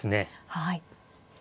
はい。